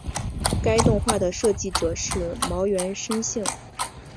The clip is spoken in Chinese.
该动画的设计者是茅原伸幸。